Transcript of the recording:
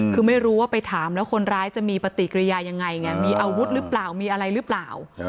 คือไม่รู้ว่าไปถามแล้วคนร้ายจะมีปฏิกิริยายังไงไงมีอาวุธหรือเปล่ามีอะไรหรือเปล่า